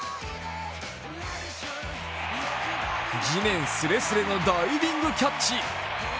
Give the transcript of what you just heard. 地面すれすれのダイビングキャッチ。